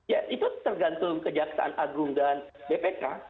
ya itu tergantung kejaksaan agung dan bpk